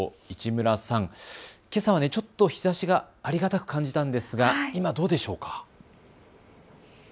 市村さん、けさはちょっと日ざしがありがたく感じたんですが今どうでしょうか。